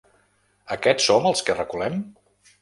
Aquests som els que reculem?